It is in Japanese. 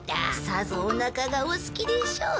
さぞおなかがお空きでしょう。